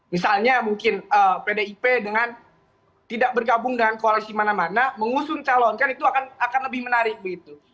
misalnya mungkin pdip dengan tidak bergabung dengan koalisi mana mana mengusung calon kan itu akan lebih menarik begitu